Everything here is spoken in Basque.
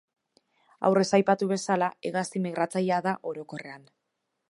Aurrez aipatu bezala, hegazti migratzailea da, orokorrean.